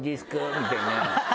みたいな。